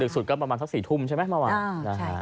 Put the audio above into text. สุดก็ประมาณสัก๔ทุ่มใช่ไหมเมื่อวานนะฮะ